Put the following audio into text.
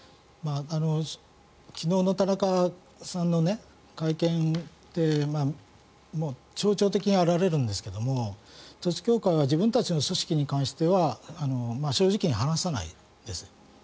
昨日の田中さんの会見で象徴的に表れるんですが統一教会は自分たちの組織に関しては正直に話さないんです。